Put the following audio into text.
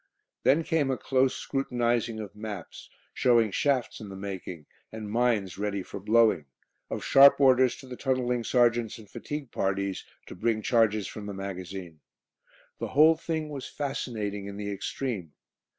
Then came a close scrutinising of maps, showing shafts in the making and mines ready for "blowing"; of sharp orders to the tunnelling sergeants and fatigue parties to bring charges from the magazine. The whole thing was fascinating in the extreme.